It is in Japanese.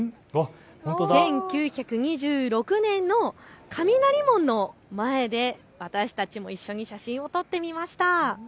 １９２６年の雷門の前で私たちも一緒に写真を撮ってみました。